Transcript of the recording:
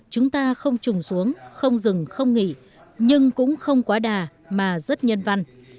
chúng ta không trùng xuống không dừng không nghỉ nhưng cũng không quá đà mà rất nhân văn